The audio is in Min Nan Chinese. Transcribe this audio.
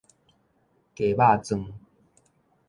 雞肉磚